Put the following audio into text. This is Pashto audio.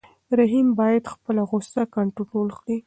رحیم باید خپله غوسه کنټرول کړي.